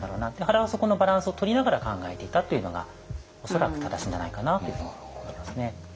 原はそこのバランスをとりながら考えていたというのが恐らく正しいんじゃないかなっていうふうに思ってますね。